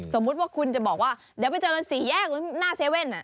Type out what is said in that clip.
สมมุติว่าคุณจะบอกว่าเดี๋ยวไปเจอกันสี่แยกหน้าเว่น